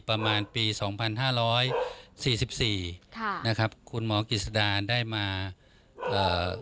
ประมาณปีสองพันห้าร้อยสี่สิบสี่ค่ะนะครับคุณหมอกิจสดาได้มาเอ่อ